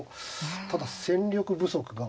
ただ戦力不足が。